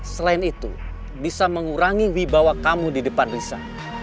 selain itu bisa mengurangi wibawa kamu di depan risa